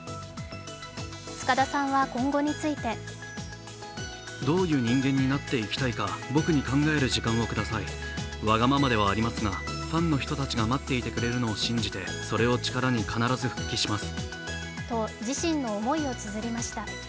塚田さんは今後についてと自身の思いをつづりました。